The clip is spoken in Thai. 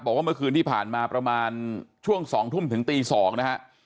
บอกว่าเมื่อคืนที่ผ่านมาประมาณช่วง๒ทุ่มถึงตี๒นะฮะ